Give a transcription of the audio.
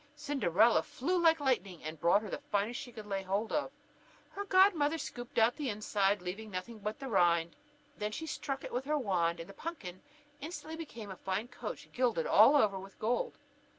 Cinderella flew like lightning, and brought the finest she could lay hold of. Her godmother scooped out the inside, leaving nothing but the rind; she then struck it with her wand, and the pumpkin instantly became a fine coach gilded all over with gold.